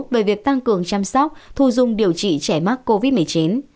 về việc tăng cường chăm sóc thu dung điều trị trẻ mắc covid một mươi chín